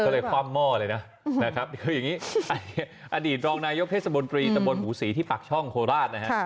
ก็เลยความหม้อเลยนะคือยังงี้อดีตรองนายกเทศบนตรีตะบนหูศรีที่ปักช่องโคราชนะครับ